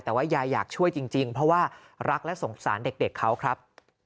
แต่ว่ายายอยากช่วยจริงเพราะว่ารักและสงสารเด็กเขาครับ